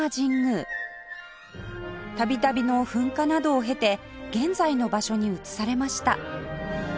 度々の噴火などを経て現在の場所に移されました